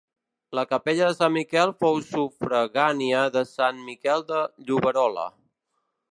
La capella de Sant Miquel fou sufragània de Sant Miquel de Lloberola.